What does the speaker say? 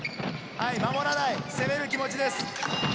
守らない、攻める気持ちです。